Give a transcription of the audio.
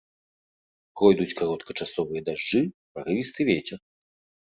Пройдуць кароткачасовыя дажджы, парывісты вецер.